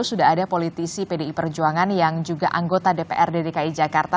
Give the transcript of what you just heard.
sudah ada politisi pdi perjuangan yang juga anggota dprd dki jakarta